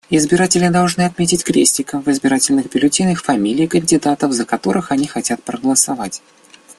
Избиратели должны отметить крестиком в избирательных бюллетенях фамилии кандидатов, за которых они хотят голосовать.